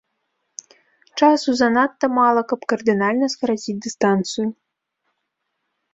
Часу занадта мала, каб кардынальна скараціць дыстанцыю.